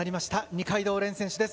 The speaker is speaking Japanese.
二階堂蓮選手です。